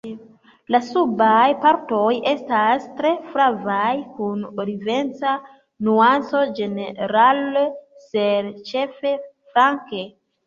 La subaj partoj estas tre flavaj kun oliveca nuanco ĝenerale ser ĉefe flanke.